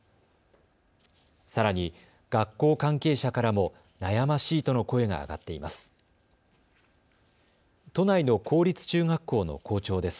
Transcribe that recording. さらに、学校関係者からも悩ましいとの声が上がっています。